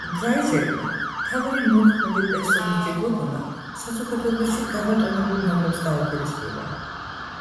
დრაიზერმა მთავარი მოქმედი პერსონაჟი გოგონა საზოგადოებაში გაბატონებულ ნორმებს დაუპირისპირა.